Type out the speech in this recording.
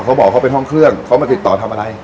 เขาบอกเขาเป็นห้องเครื่องเขามาติดต่อทำอะไร